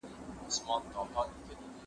زه هره ورځ مېوې وچوم!